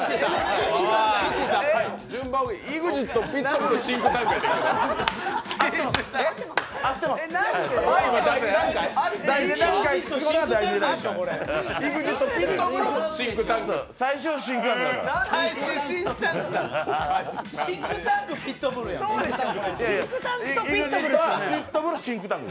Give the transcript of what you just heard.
順番、ＥＸＩＴ、ピットブル、シンクタンク。